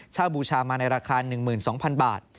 บูชามาในราคา๑๒๐๐๐บาท